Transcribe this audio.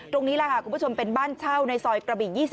ตรงนี้คุณผู้ชมเป็นบ้านเช่าในซอยกระบี๒๒